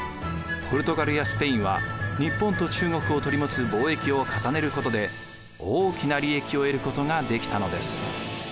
ポルトガルやスペインは日本と中国を取り持つ貿易を重ねることで大きな利益を得ることができたのです。